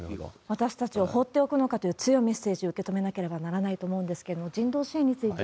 私たちを放っておくのかという強いメッセージを受け止めなければならないと思うんですけど、人道支援について。